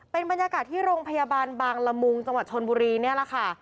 เป็นบรรยากาศที่โรงพยาบาลบางละมุงจังหวัดชนบุรีนี่แหละค่ะ